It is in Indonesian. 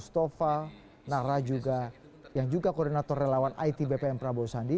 tova nahra juga yang juga koordinator relawan it bpn prabowo sani